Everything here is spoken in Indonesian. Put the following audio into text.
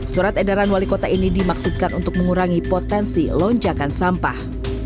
surat edaran wali kota ini dimaksudkan untuk mengurangi potensi lonjakan sampah